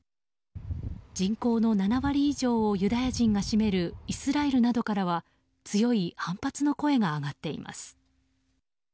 人口の７割以上をユダヤ人が占めるイスラエルなどからは強い反発の声が上がっています。